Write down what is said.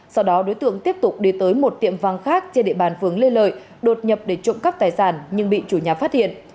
sau đó đối tượng tiếp tục đi tới một tiệm vàng khác trên địa bàn phường lê lợi đột nhập để trộm cắp tài sản nhưng bị chủ nhà phát hiện